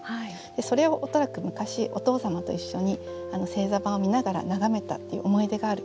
それを恐らく昔お父様と一緒に星座盤を見ながら眺めたっていう思い出がある。